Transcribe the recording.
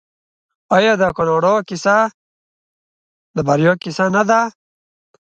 آیا د کاناډا کیسه د بریا کیسه نه ده؟